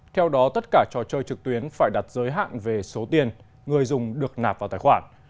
theo đó tất cả trò chơi trực tuyến phải đặt giới hạn về số tiền người dùng được nạp vào tài khoản